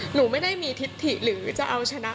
หนูไม่ได้มีทิศถิหรือจะเอาชนะ